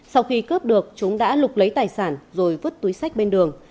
sau khi cướp được chúng đã lục lấy tài sản rồi vứt túi sách bên đường